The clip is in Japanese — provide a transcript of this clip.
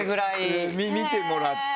見てもらって。